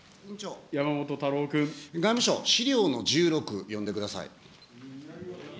外務省、資料の１６、読んでください。